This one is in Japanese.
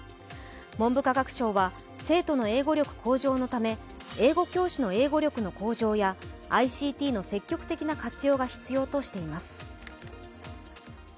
文部科学省は、生徒の英語力向上のため、英語教師の英語力の向上やＩＣＴの積極的な活用が必要としています。